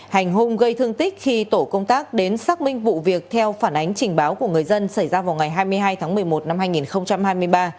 hành hung gây thương tích khi tổ công tác đến xác minh vụ việc theo phản ánh trình báo của người dân xảy ra vào ngày hai mươi hai tháng một mươi một năm hai nghìn hai mươi ba